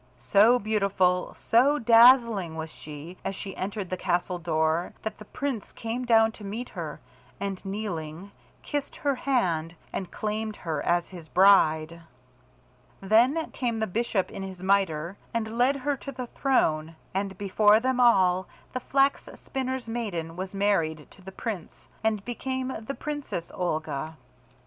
So beautiful, so dazzling was she as she entered the castle door, that the Prince came down to meet her, and kneeling, kissed her hand and claimed her as his bride. Then came the bishop in his mitre, and led her to the throne, and before them all the Flax spinner's maiden was married to the Prince, and made the Princess Olga.